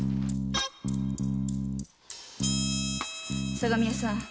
相模屋さん。